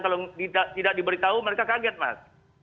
kalau tidak diberitahu mereka kaget mas